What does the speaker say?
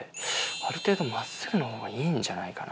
ある程度真っすぐのほうがいいんじゃないかな。